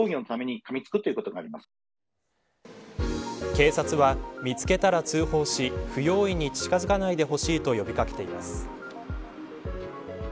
警察は見つけたら通報し不用意に近づかないでほしいと呼び掛けています。